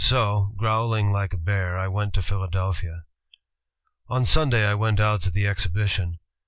So, growling like a bear, I went to Philadelphia "On Sunday I went out to the exhibition.